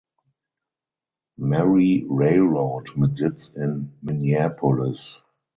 Marie Railroad mit Sitz in Minneapolis.